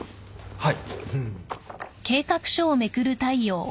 はい？